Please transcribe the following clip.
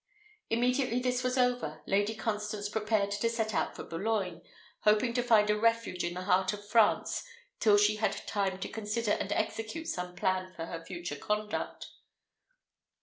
Immediately this was over, Lady Constance prepared to set out for Boulogne, hoping to find a refuge in the heart of France till she had time to consider and execute some plan for her future conduct.